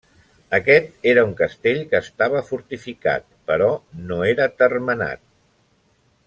Aquest era un castell que estava fortificat, però no era termenat.